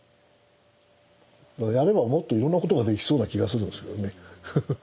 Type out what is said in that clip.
やればもっといろんなことができそうな気がするんですけどねフフフ。